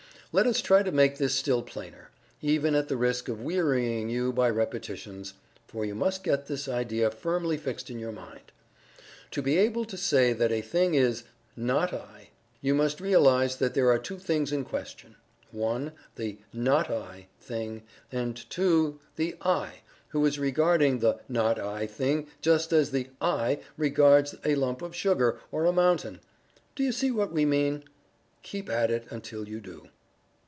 Let us try to make this still plainer, even at the risk of wearying you by repetitions (for you must get this idea firmly fixed in your mind). To be able to say that a thing is "not I," you must realize that there are two things in question (1) the "not I" thing, and (2) the "I" who is regarding the "not I" thing just as the "I" regards a lump of sugar, or a mountain. Do you see what we mean? Keep at it until you do.